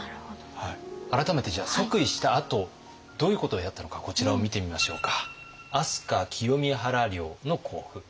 改めてじゃあ即位したあとどういうことをやったのかこちらを見てみましょうか。